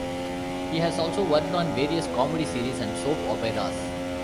He has also worked on various comedy series and soap operas.